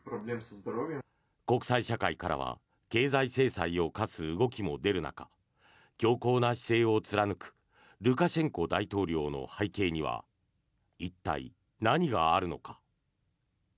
国際社会からは経済制裁を科す動きもある中強硬な姿勢を貫くルカシェンコ大統領の背景には一体、何があるのか。